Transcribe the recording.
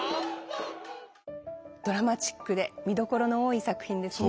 ドラマチックで見どころの多い作品ですね。